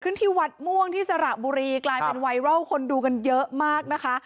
ที่วัดม่วงที่สระบุรีกลายเป็นไวรัลคนดูกันเยอะมากนะคะ